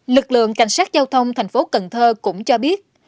lực lượng cảnh sát giao thông tp cnh cũng cho biết